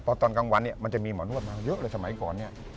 ป่อนตอนกลางวันมันจะมีหมอโนวัตรมาเยอะเลยสมัยก่อนนี้